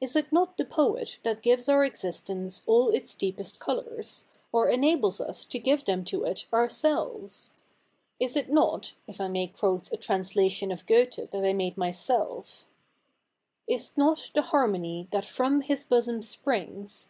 Is it not the poet that gives our existence all its deepest colours, or enables us to give them to it ourselves ? Is it not — if I may quote a translation of Goethe that 1 made myself — Is't not the harmony that from his boso})i springs.